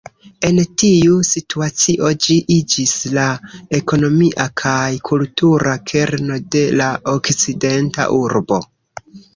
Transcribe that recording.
En tiu situacio ĝi iĝis la ekonomia kaj kultura kerno de la okcidenta urbo.